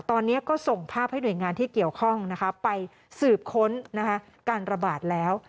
ตอนนี้ก็ส่งภาพให้หน่วยงานที่เกี่ยวข้องไปสืบค้นการระบาดแล้ว